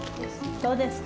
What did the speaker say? どうですか？